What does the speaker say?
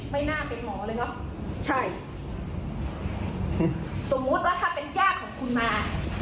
ไม่น่าเป็นหมอเลยเนอะใช่สมมุติว่าถ้าเป็นญาติของคุณมา